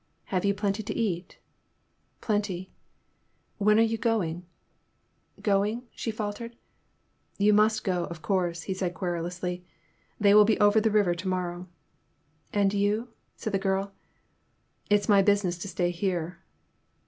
Have you plenty to eat ?" Plenty." When are you going ?" ''Going?" she faltered. "You must go, of course," he said, queru lously, "they will be over the river to mor row." And you ?" said the girl. It 's my business to stay here."